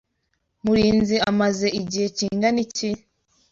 Murinzi amaze igihe kingana iki?